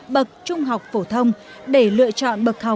bậc trung học phổ thông để lựa chọn bậc học